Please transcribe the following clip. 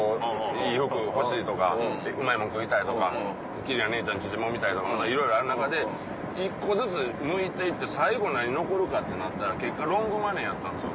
いい服欲しいとかうまいもん食いたいとか。奇麗な姉ちゃんの乳もみたいとかいろいろある中で１個ずつむいていって最後何残るかってなったら結果ロングマネーやったんですよ。